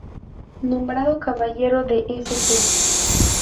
Nombrado Caballero de St.